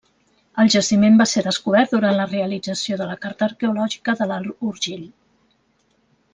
El jaciment va ser descobert durant la realització de la Carta Arqueològica de l'Alt Urgell.